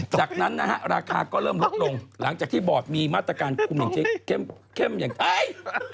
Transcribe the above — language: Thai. จากนั้นนะฮะราคาก็เริ่มลดลงหลังจากที่บอร์ดมีมาตรการคุมอย่างเข้มอย่างไทย